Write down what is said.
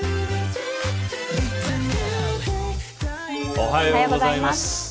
おはようございます。